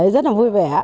rất là vui vẻ